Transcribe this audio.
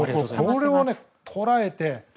それを捉えて。